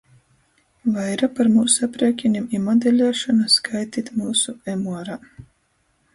Vaira par myusu apriekinim i modeliešonu skaitit myusu emuarā.